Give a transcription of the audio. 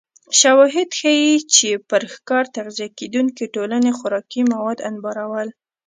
شواهد ښيي چې پر ښکار تغذیه کېدونکې ټولنې خوراکي مواد انبارول